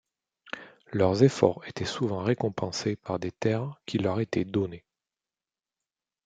Leurs efforts étaient souvent récompensés par des terres qui leur étaient données.